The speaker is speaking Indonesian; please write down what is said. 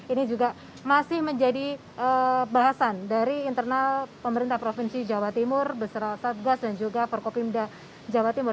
ini juga masih menjadi bahasan dari internal pemerintah provinsi jawa timur beserta satgas dan juga forkopimda jawa timur